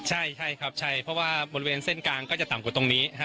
ใช่ใช่ครับใช่เพราะว่าบริเวณเส้นกลางก็จะต่ำกว่าตรงนี้